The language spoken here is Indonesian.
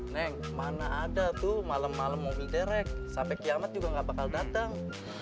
neng mana ada tuh malam malam mau mie derek sampai kiamat juga gak bakal datang